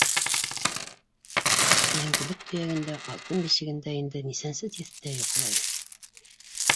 Мәңгелек төйәгендә - алтын бишегендә инде нисәнсе тиҫтә йоҡлай.